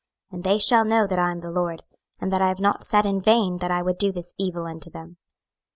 26:006:010 And they shall know that I am the LORD, and that I have not said in vain that I would do this evil unto them.